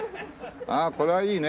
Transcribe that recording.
ああこれはいいね。